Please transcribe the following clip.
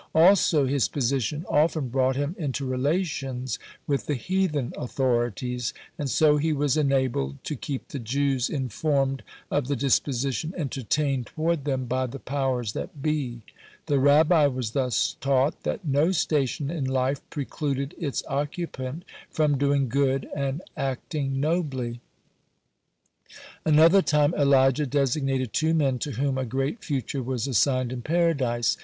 Also, his position often brought him into relations with the heathen authorities, and so he was enabled to keep the Jews informed of the disposition entertained toward them by the powers that be. The Rabbi was thus taught that no station in life precluded its occupant from doing good and acting nobly. Another time Elijah designated two men to whom a great future was assigned in Paradise.